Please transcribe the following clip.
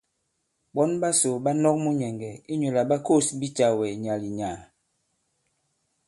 Ɓɔ̌n ɓasò ɓa nɔ̄k munyɛ̀ŋgɛ̀ inyū lā ɓa kǒs bicàwɛ nyàà-lì- nyàà.